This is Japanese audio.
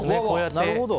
なるほど。